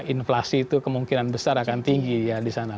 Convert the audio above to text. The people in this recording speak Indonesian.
inflasi itu kemungkinan besar akan tinggi ya di sana